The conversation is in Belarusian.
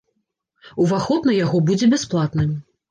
Уваход на яго будзе бясплатным.